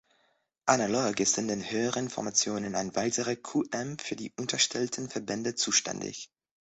Analog ist in den höheren Formationen ein weiterer Qm für die unterstellten Verbände zuständig.